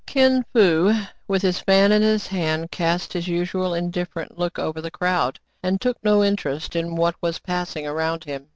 Kin Fo, with his fan in his hand, cast his usual indifferent look over the crowd, and took no inter est in what was passing around him.